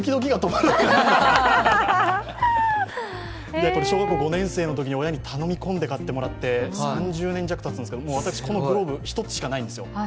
これ、小学５年生のときに親に頼み込んで買ってもらって３０年弱たつんですけど、私、このグローブ１つしかないんですよ。